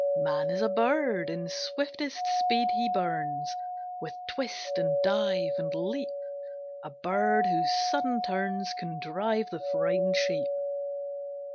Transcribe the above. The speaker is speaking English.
Man is a bird: In swiftest speed he burns, With twist and dive and leap; A bird whose sudden turns Can drive the frightened sheep.